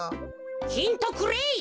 ヒントくれい！